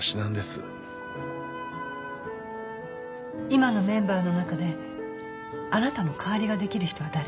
今のメンバーの中であなたの代わりができる人は誰？